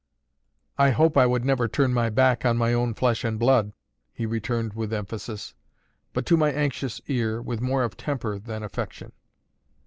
"I hope I would never turn my back on my own flesh and blood," he returned with emphasis; but to my anxious ear, with more of temper than affection.